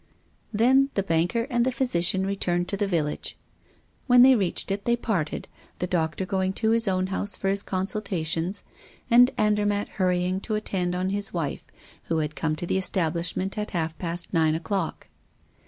Then the banker and the physician returned to the village. When they reached it, they parted, the doctor going to his own house for his consultations, and Andermatt hurrying to attend on his wife, who had to come to the establishment at half past nine o'clock.